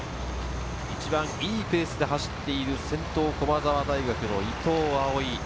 一番いいペースで走っている先頭・駒澤大学の伊藤蒼唯。